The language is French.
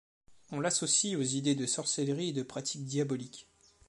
On l'associe aux idées de sorcellerie et de pratiques diaboliques.